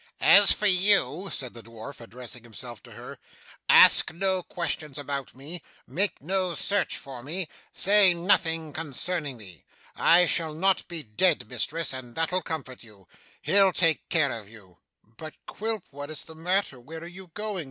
'As for you,' said the dwarf, addressing himself to her, 'ask no questions about me, make no search for me, say nothing concerning me. I shall not be dead, mistress, and that'll comfort you. He'll take care of you.' 'But, Quilp? What is the matter? Where are you going?